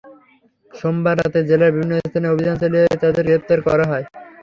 সোমবার রাতে জেলার বিভিন্ন স্থানে অভিযান চালিয়ে তাঁদের গ্রেপ্তার করা হয়।